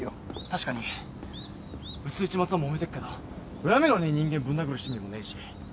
確かにうちと市松はもめてっけど恨みのねえ人間ぶん殴る趣味もねえし。